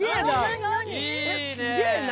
すげえな！